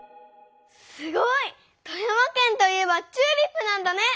すごい！富山県といえばチューリップなんだね！